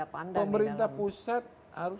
pemerintah pusat harus